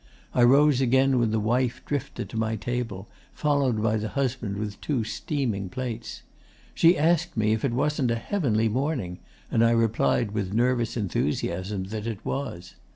I rose again when the wife drifted to my table, followed by the husband with two steaming plates. She asked me if it wasn't a heavenly morning, and I replied with nervous enthusiasm that it was.